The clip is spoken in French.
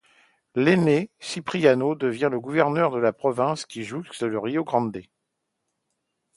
L'aîné, Cipriano, devient le gouverneur de la province qui jouxte le Rio Grande.